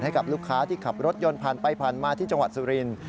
ให้กับลูกค้าที่ขับรถยนต์ผ่านไปผ่านมาที่จังหวัดสุรินทร์